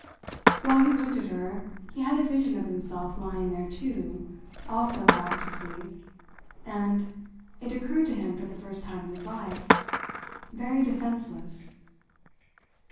While he looked at her, he had a vision of himself lying there too, also fast asleep, and it occurred to him for the first time in his life very defenceless.